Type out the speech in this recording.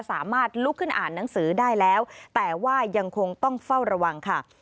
สามารถลุกขึ้นอ่านหนังสือได้แล้วแต่ว่ายังคงต้องเฝ้าระวังค่ะ